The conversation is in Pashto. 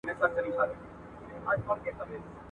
ګرځنده اړيکشمېره ډېره مه کاروه